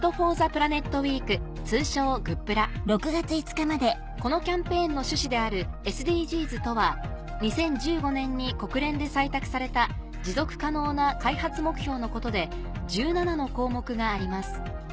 ウィーク通称「グップラ」このキャンペーンの趣旨であるＳＤＧｓとは２０１５年に国連で採択された持続可能な開発目標のことで１７の項目があります